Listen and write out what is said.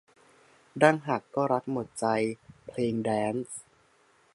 ดั้งหักก็รักหมดใจ เพลงแดนซ์